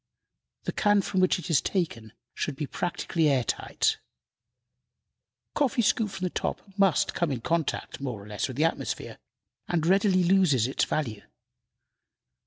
The can from which it is taken should be practically air tight. Coffee scooped from the top must come in contact, more or less, with the atmosphere, and readily loses its value.